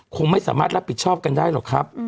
คงไม่สามารถรับผิดชอบกันได้หรอกครับ